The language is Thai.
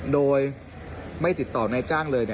โดยไม่ติดต่อนายจ้างเลย